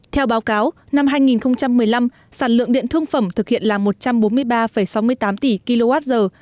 theo báo cáo năm hai nghìn một mươi năm sản lượng điện thương phẩm thực hiện là một trăm bốn mươi ba sáu mươi tám tỷ kwh